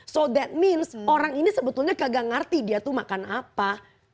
so that means orang ini sebetulnya kagak ngerti dia tuh makan apa